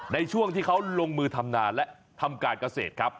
ในช่วงที่เขาลงมือทำนาและทำการเกษตรครับ